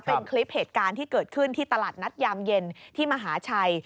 เป็นคลิปเหตุการณ์ที่เกิดขึ้นที่ตลาดนัดยามเย็นที่มหาชัย